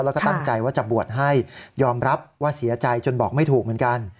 แล้วก็ตั้งใจว่าจะบวชให้ยอมรับว่าเสียใจจนบอกไม่ถูกเหมือนกัน